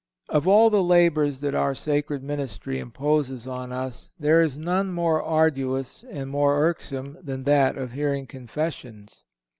Of all the labors that our sacred ministry imposes on us, there is none more arduous or more irksome than that of hearing confessions.